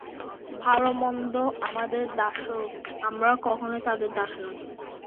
ভাল-মন্দ আমাদের দাসস্বরূপ, আমরা কখনও তাদের দাস নই।